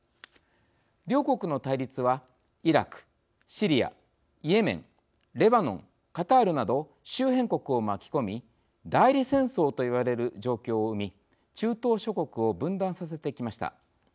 両国の対立はイラクシリアイエメンレバノンカタールなど周辺国を巻き込み代理戦争と言われる状況を生み中東諸国を分断させてきました。